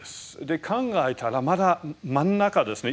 考えたらまだ真ん中ですね。